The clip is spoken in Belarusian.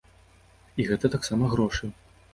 І гэта таксама грошы.